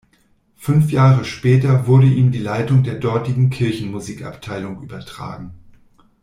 Fünf Jahre später wurde ihm die Leitung der dortigen Kirchenmusik-Abteilung übertragen.